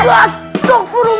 ya ampun pak